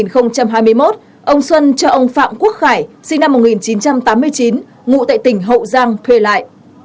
năm hai nghìn hai mươi một ông xuân cho ông phạm quốc khải sinh năm một nghìn chín trăm tám mươi chín ngụ tại tỉnh hậu giang thuê lại